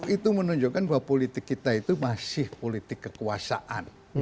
itu menunjukkan bahwa politik kita itu masih politik kekuasaan